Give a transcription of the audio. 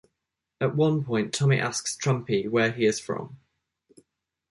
At one point, Tommy asks Trumpy where he is from.